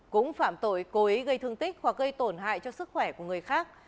cũng phạm tội cố ý gây thương tích hoặc gây tổn hại cho sức khỏe của người khác